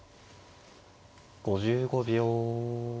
５５秒。